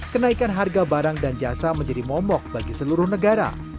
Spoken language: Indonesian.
kenaikan harga barang dan jasa menjadi momok bagi seluruh negara